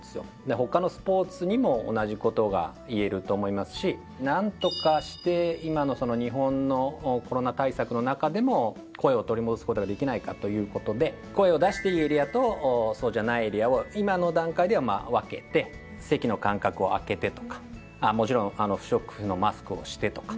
他のスポーツにも同じことが言えると思いますし何とかして今のその日本のコロナ対策の中でも声を取り戻すことができないかということで声を出していいエリアとそうじゃないエリアを今の段階では分けて席の間隔を空けてとかもちろん不織布のマスクをしてとか。